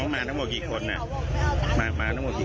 มานั่งหมดกี่คนมา๓คนมา๓คนหนูลงรถก่อนขวดปัน